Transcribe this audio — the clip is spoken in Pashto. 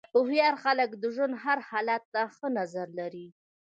هوښیار خلک د ژوند هر حالت ته ښه نظر لري.